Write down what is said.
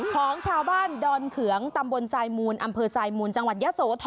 ของชาวบ้านดอนเขืองตำบลทรายมูลอำเภอสายมูลจังหวัดยะโสธร